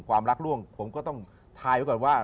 ความรักล่วงผมก็ต้องทายไว้ก่อนว่า